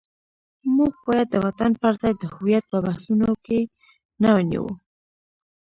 موږ باید د وطن پر ځای د هویت په بحثونو کې نه ونیو.